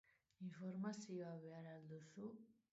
Informazioa behar al duzu?